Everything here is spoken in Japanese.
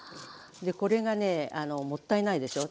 これがねもったいないでしょ。